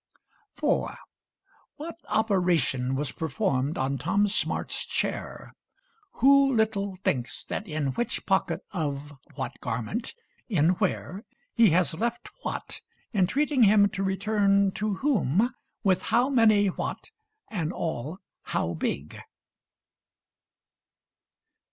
4. What operation was performed on Tom Smart's chair? Who little thinks that in which pocket, of what garment, in where, he has left what, entreating him to return to whom, with how many what, and all how big?